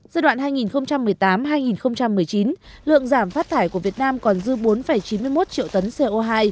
giai đoạn hai nghìn một mươi tám hai nghìn một mươi chín lượng giảm phát thải của việt nam còn dư bốn chín mươi một triệu tấn co hai